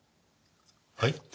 はい？